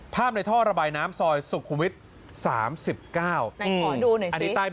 ภาพในท่อระบายน้ำซอยสุขุมวิทย์สามสิบเก้าไหนขอดูหน่อยสิ